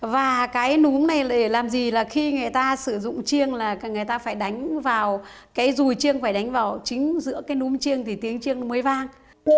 và cái núm này lại làm gì là khi người ta sử dụng chiêng là người ta phải đánh vào cái rùi chiêng phải đánh vào chính giữa cái núm chiêng thì tiếng chiêng mới vang